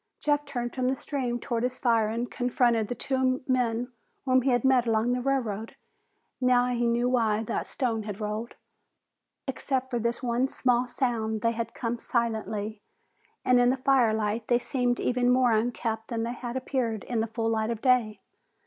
Jeff turned from the stream toward his fire and confronted the two men whom he had met along the railroad. Now he knew why that stone had rolled. Except for this one small sound, they had come silently, and in the firelight they seemed even more unkempt than they had appeared in the full light of day.